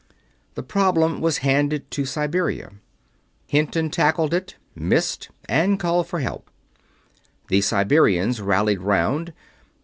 The problem was handed to Siberia. Hinton tackled it, missed, and called for help. The Siberians rallied round.